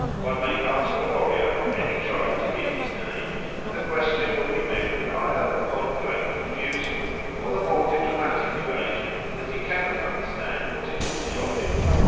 One may ask a warrior of any tribe to give his name, and the question will be met with either a point blank refusal or the more diplomatic evasion that he cannot understand what is wanted of him.